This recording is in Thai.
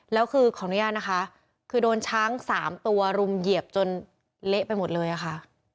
แล้วคือขออนุญาตนะคะคือโดนช้าง๓ตัวรุมเหยียบจนเละไปหมดเลยอะค่ะ